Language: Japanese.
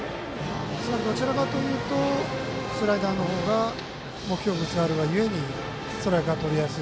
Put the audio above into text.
どちらかというとスライダー系のボールが目標物があるがゆえにストライクがとりやすい。